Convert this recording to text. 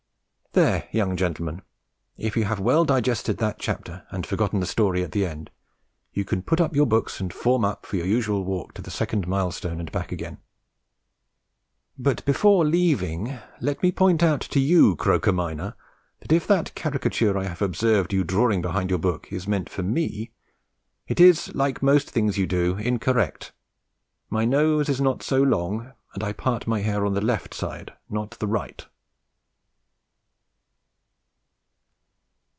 There, young gentlemen, if you have well digested that chapter and forgotten the story at the end, you can put up your books and form up for your usual walk to the second milestone and back again; but before leaving, let me point out to you, Croker, minor, that if that caricature I have observed you drawing behind your book is meant for me, it is, like most things you do, incorrect; my nose is not so long, and I part my hair on the left side, not the right.